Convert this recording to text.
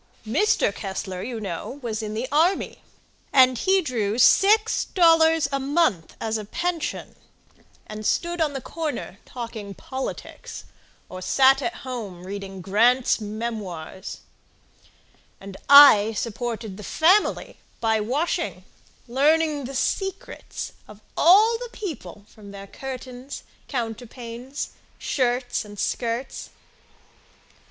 Kessler Mr. Kessler, you know, was in the army, And he drew six dollars a month as a pension, And stood on the corner talking politics, Or sat at home reading Grant's Memoirs; And I supported the family by washing, Learning the secrets of all the people From their curtains, counterpanes, shirts and skirts.